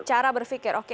cara berpikir oke